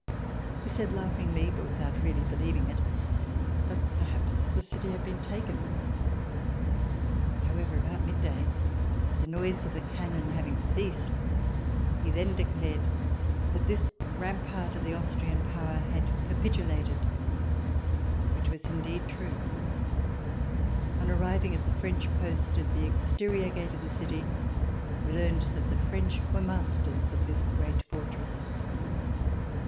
He said laughingly, but without really believing it, that perhaps the city had been taken. However, about midday, the noise of the [ 133 ] RECOLLECTIONS OF THE REVOLUTION ' cannon having ceased, he then declared that this rampart of the Austrian power had capitulated, which was indeed true. On arriving at the French post, at the exterior gate of the city, we learned that the French were masters of this great fortress.